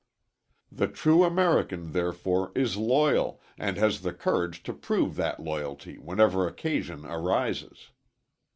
The true American, therefore, is loyal and has the courage to prove that loyalty whenever occasion arises.